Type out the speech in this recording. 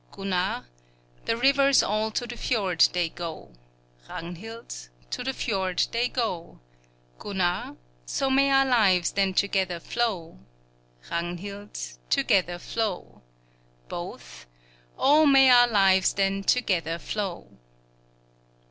Gunnar The rivers all to the fjord they go, Ragnhild To the fjord they go; Gunnar So may our lives then together flow, Ragnhild Together flow; Both Oh, may our lives then together flow!